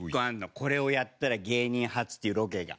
これをやったら芸人初っていうロケが。